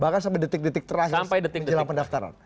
bahkan sampai detik detik terakhir jelang pendaftaran